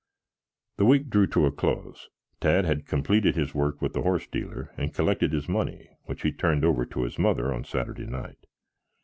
The week drew to a close. Tad had completed his work with the horse dealer and collected his money, which he turned over to his mother on Saturday night.